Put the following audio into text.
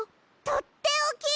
とっておき！？